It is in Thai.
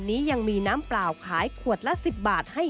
เป็นอย่างไรนั้นติดตามจากรายงานของคุณอัญชาฬีฟรีมั่วครับ